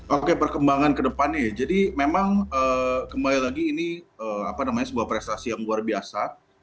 oke perkembangan kedepannya ya jadi memang kembali lagi ini sebuah prestasi yang luar biasa